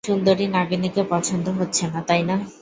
সুন্দরী নাগিনীকে পছন্দ হচ্ছে না, তাই না?